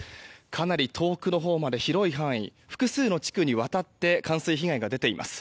かなり遠くのほうまで広い範囲複数の地区にわたって冠水被害が出ています。